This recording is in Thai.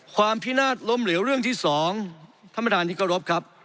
ความพินาศล้มเหลวเรื่องที่๒ท่านประธานทิกรบครับ